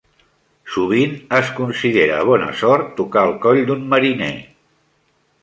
Sovint es considera bona sort tocar el coll d'un mariner.